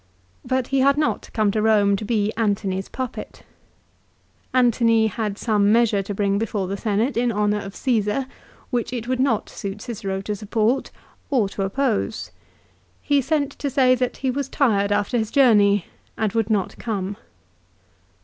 But he had not come to Rome to be Antony's puppet. Antony had some measure to bring before the Senate in honour of Caesar, which it would not suit Cicero S DEATH. 229 to support or to oppose. He sent to say that lie was tired after his journey and would not come.